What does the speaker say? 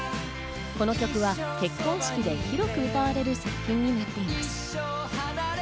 この曲は結婚式で広く歌われる作品になっています。